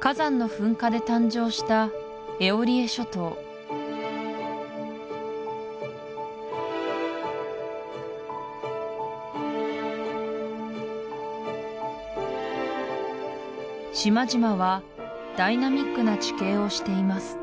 火山の噴火で誕生したエオリエ諸島島々はダイナミックな地形をしています